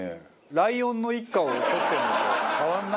ライオンの一家を撮ってるのと変わらないよね。